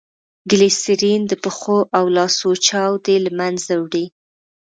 ګلیسرین دپښو او لاسو چاودي له منځه وړي.